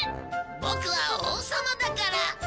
ボクは王様だから。